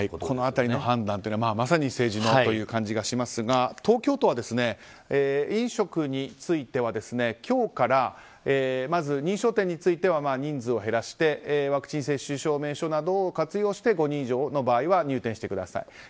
この辺りの判断はまさに政治のという感じがしますが東京都は飲食については今日からまず認証店については人数を減らしてワクチン接種証明書などを活用して５人以上の場合は入店してください。